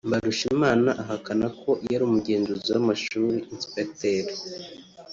Mbarushimana ahakana ko yari umugenzuzi w’amashuri (inspecteur)